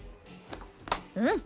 うん！